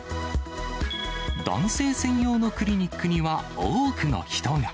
男性専用のクリニックには多くの人が。